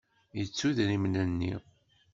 Yettu idrimen-nni.